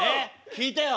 聴いてよ。